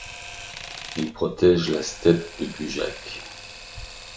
Il protège la steppe de Bugac.